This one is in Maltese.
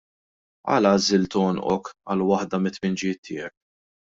Għala għażilt għonqok għal waħda mit-tpinġijiet tiegħek?